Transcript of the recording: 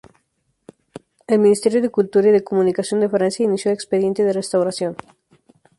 El ministerio de Cultura y de Comunicación de Francia inició el expediente de restauración.